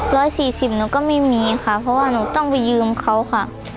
ร้อยสี่สิบหนูก็ไม่มีค่ะเพราะว่าหนูต้องไปยืมเขาค่ะ